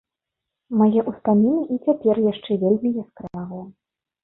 Мае ўспаміны і цяпер яшчэ вельмі яскравыя.